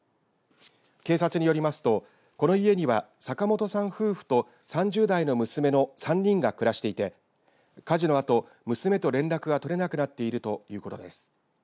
警察によりますとこの家には坂本さん夫婦と３０代の娘の３人が暮らしていて火事のあと娘と連絡が取れなくなっているということです。